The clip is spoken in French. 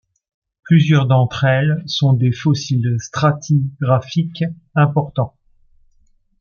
Plusieurs d'entre elles sont des fossiles stratigraphiques importants.